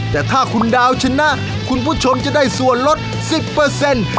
แต่ถ้าคุณดาวชนะคุณผู้ชมจะได้ส่วนลดสิบเปอร์เซ็นต์